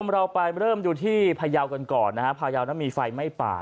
เราไปเริ่มดูที่พายาวกันก่อนนะฮะพายาวนั้นมีไฟไหม้ป่า